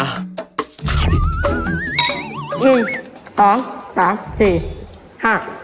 ไปกันเรียกเรา